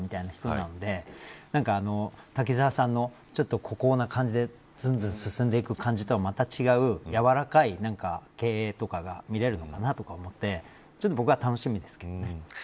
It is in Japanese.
なので滝沢さんの孤高な感じでずんずん進んでいく感じとはまた違うやわらかい経営とかが見れるのかなと思っていて僕はちょっと楽しみです。